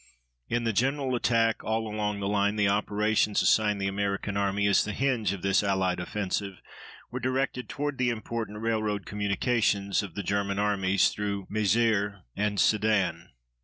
In the general attack all along the line the operations assigned the American Army as the hinge of this allied offensive were directed toward the important railroad communications of the German armies through Mézières and Sedan.